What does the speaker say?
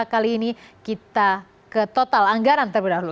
kali ini kita ke total anggaran terlebih dahulu